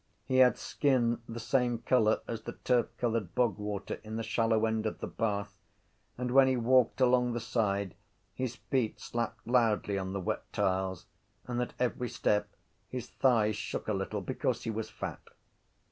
He had skin the same colour as the turfcoloured bogwater in the shallow end of the bath and when he walked along the side his feet slapped loudly on the wet tiles and at every step his thighs shook a little because he was fat.